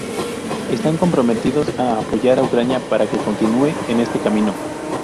Están comprometidos a apoyar a Ucrania para que continúe en este camino.